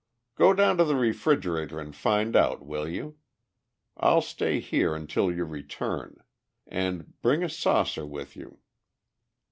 "Go down to the refrigerator and find out, will you? I'll stay here until you return. And bring a saucer with you."